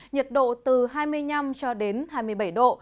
nhiệt độ từ hai mươi năm cho đến hai mươi bảy độ